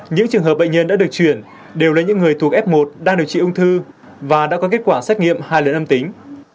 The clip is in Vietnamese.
những trường hợp bệnh nhân đã được chuyển đều là những người thuộc f một đang điều trị ung thư và đã có kết quả xét nghiệm hai lần âm tính